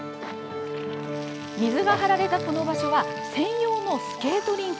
水が張られたこの場所は、専用のスケートリンク。